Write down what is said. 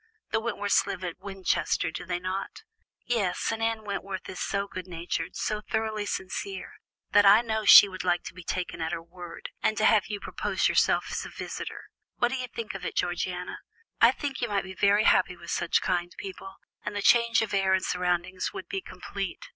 The Wentworths live at Winchester, do they not?" "Yes, and Anne Wentworth is so good hearted, so thoroughly sincere, that I know she would like to be taken at her word, and to have you propose yourself as a visitor. What do you think of it, Georgiana? I think you might be very happy with such kind people, and the change of air and surroundings would be complete.